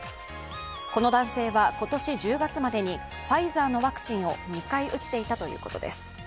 この男性は今年１０月までにファイザーのワクチンを２回、打っていたということです。